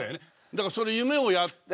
だから夢をやって。